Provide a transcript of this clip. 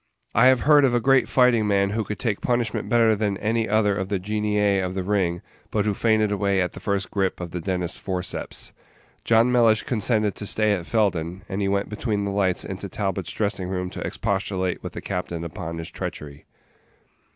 I have heard of a great fighting man who could take punishment better than any other of the genii of the ring, but who fainted away at the first grip of the dentist's forceps. John Mellish consented to stay at Felden, and he went between the lights into Talbot's dressing room to expostulate with the captain upon his treachery.